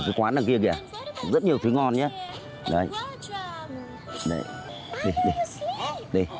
ở cái quán đằng kia kìa rất nhiều thứ ngon nhé